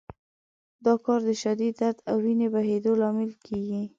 دا کار د شدید درد او وینې بهېدو لامل کېږي.